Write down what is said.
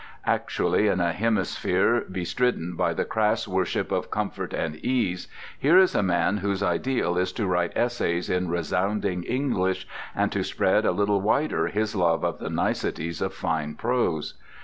Actually, in a hemisphere bestridden by the crass worship of comfort and ease, here is a man whose ideal is to write essays in resounding English, and to spread a little wider his love of the niceties of fine prose.